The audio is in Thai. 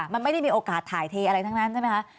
มันไม่ได้มีโอกาสถ่ายเทอะไรทั้งนั้นใช่ไหมคะ